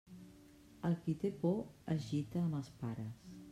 El qui té por es gita amb els pares.